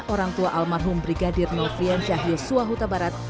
orang tua almarhum brigadir noviensyah yosua huta barat